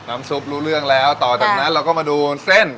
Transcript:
ซุปรู้เรื่องแล้วต่อจากนั้นเราก็มาดูเส้น